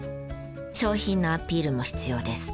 商品のアピールも必要です。